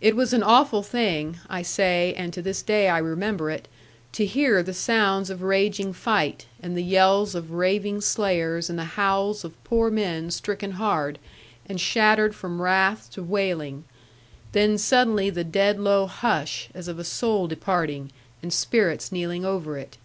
It was an awful thing, I say (and to this day I remember it), to hear the sounds of raging fight, and the yells of raving slayers, and the howls of poor men stricken hard, and shattered from wrath to wailing; then suddenly the dead low hush, as of a soul departing, and spirits kneeling over it.